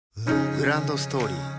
グランドストーリー